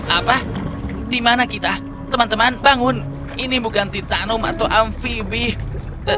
apa di mana kita teman teman bangun ini bukan titanum atau amphibie